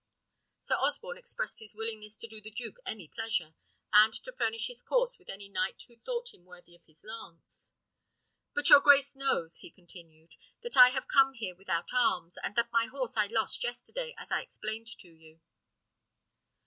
Sir Osborne expressed his willingness to do the duke any pleasure, and to furnish his course with any knight who thought him worthy of his lance. "But your grace knows," he continued, "that I have come here without arms, and that my horse I lost yesterday, as I explained to you."